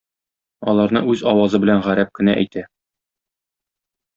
Аларны үз авазы белән гарәп кенә әйтә.